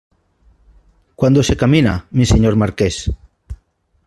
¿ cuándo se camina, mi Señor Marqués?